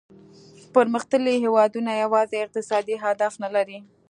پرمختللي هیوادونه یوازې اقتصادي اهداف نه لري